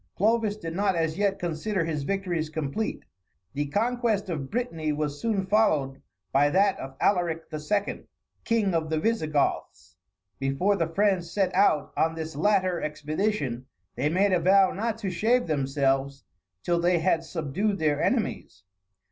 Clovis did not as yet consider his victories complete; the conquest of Brittany was soon followed by that of Alaric II., King of the Visigoths. Before the French set out on this latter expedition, they made a vow not to shave themselves till they had subdued their enemies.